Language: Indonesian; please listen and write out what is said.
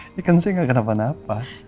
ini kan saya gak kenapa napa